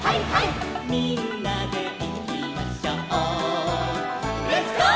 「みんなでいきましょう」